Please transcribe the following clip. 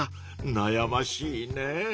なやましいね。